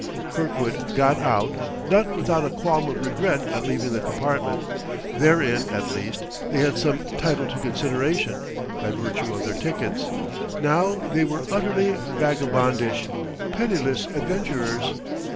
Kirkwood got out, not without a qualm of regret at leaving the compartment; therein, at least, they had some title to consideration, by virtue of their tickets; now they were utterly vagabondish, penniless adventurers.